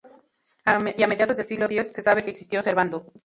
Y a mediados del Siglo X se sabe que existió Servando.